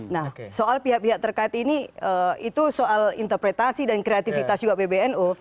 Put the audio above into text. nah soal pihak pihak terkait ini itu soal interpretasi dan kreativitas juga pbnu